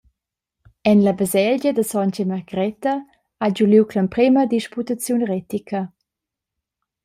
En la baselgia da sontga Margreta ha giu liug l’emprema disputaziun retica.